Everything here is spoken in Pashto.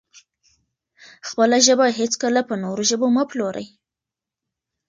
خپله ژبه هېڅکله په نورو ژبو مه پلورئ.